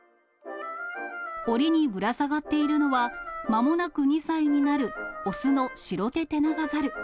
おりにぶら下がっているのは、まもなく２歳になる雄のシロテテナガザル。